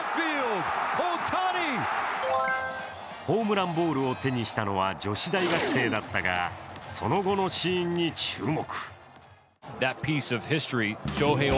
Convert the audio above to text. ホームランボールを手にしたのは女子大学生だったがその後のシーンに注目。